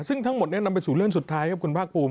ซึ่งทั้งหมดนี้นำไปสู่เรื่องสุดท้ายครับคุณภาคภูมิ